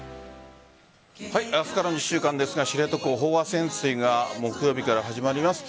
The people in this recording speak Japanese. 明日からの１週間ですが知床、飽和潜水が木曜日から始まります。